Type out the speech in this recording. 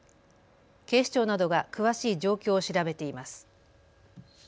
警視庁などが詳しい状況を調べています。